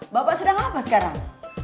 bapak sedang apa sekarang